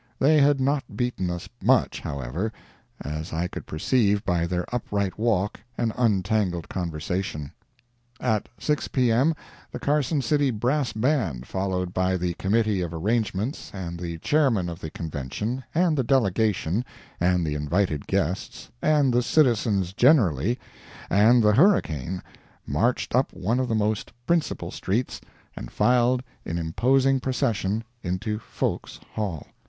They had not beaten us much, however, as I could perceive by their upright walk and untangled conversation. At 6 P.M., the Carson City Brass Band, followed by the Committee of Arrangements, and the Chairman of the Convention, and the delegation, and the invited guests, and the citizens generally, and the hurricane, marched up one of the most principal streets, and filed in imposing procession into Foulke's Hall.